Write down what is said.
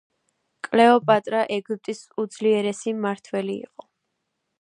კლეო პატრა ეგვიპტის უძლიერესი მმართველი იყო